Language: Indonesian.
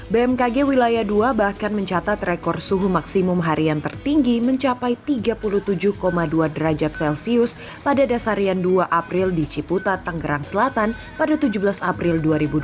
bmkg wilayah dua bahkan mencatat rekor suhu maksimum harian tertinggi mencapai tiga puluh tujuh dua derajat celcius pada dasarian dua april di ciputa tanggerang selatan pada tujuh belas april dua ribu dua puluh